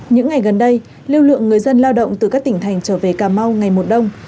những ngày gần đây lưu lượng người dân lao động từ các tỉnh thành trở về cà mau ngày mùa đông